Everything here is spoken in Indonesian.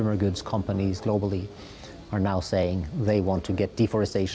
yang sekarang mengatakan bahwa mereka ingin mendapatkan deforestasi